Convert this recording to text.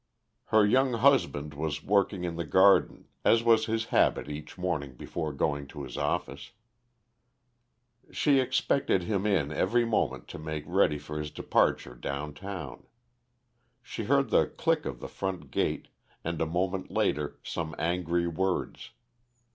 Her young husband was working in the garden, as was his habit each morning before going to his office. She expected him in every moment to make ready for his departure down town. She heard the click of the front gate, and a moment later some angry words.